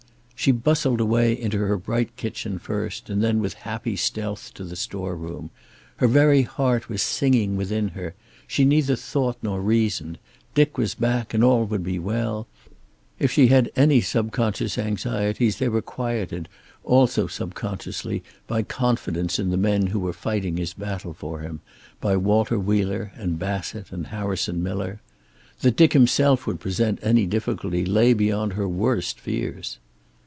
She bustled away, into her bright kitchen first, and then with happy stealth to the store room. Her very heart was singing within her. She neither thought nor reasoned. Dick was back, and all would be well. If she had any subconscious anxieties they were quieted, also subconsciously, by confidence in the men who were fighting his battle for him, by Walter Wheeler and Bassett and Harrison Miller. That Dick himself would present any difficulty lay beyond her worst fears.